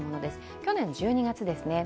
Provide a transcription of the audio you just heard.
去年１２月ですね。